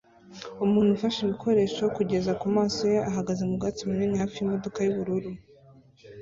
Umuntu ufashe ibikoresho kugeza kumaso ye ahagaze mubwatsi bunini hafi yimodoka yubururu